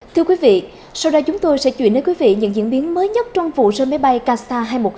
thưa quý vị sau đó chúng tôi sẽ chuyển đến quý vị những diễn biến mới nhất trong vụ rơi máy bay kastar hai trăm một mươi hai